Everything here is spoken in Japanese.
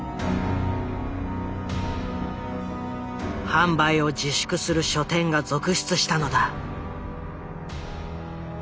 販売を自粛する書店が続出したのだ。